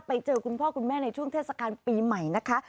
ไปเจอคุณพ่อคุณแม่ในช่วงเทศกาลปีใหม่นะคะ